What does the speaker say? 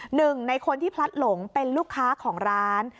หนึ่งในคนที่พลัดหลงเป็นลูกค้าของร้าน